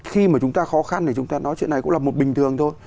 khi mà chúng ta khó khăn thì chúng ta nói chuyện này cũng là một bình thường thôi